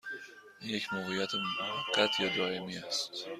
این یک موقعیت موقت یا دائمی است؟